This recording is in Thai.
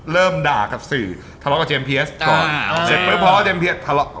เริ่มด่ากับสื่อทะเลาะกับเจมส์เพียสก่อนเสร็จปุ๊บพอเจมส์เพียสทะเลาะ